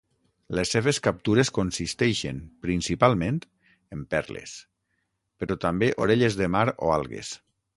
Les seves captures consisteixen principalment en perles, però també orelles de mar o algues.